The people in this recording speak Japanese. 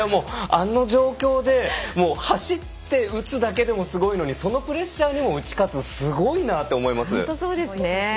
あの状況で走って撃つだけでもすごいのにそのプレッシャーにも打ち勝つすごいなと思います。